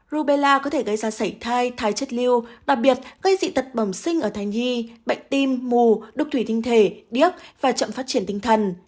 rubella có thể gây ra sảy thai chất lưu đặc biệt gây dị tật bẩm sinh ở thai nhi bệnh tim mù đục thủy tinh thể điếc và chậm phát triển tinh thần